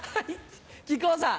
木久扇さん。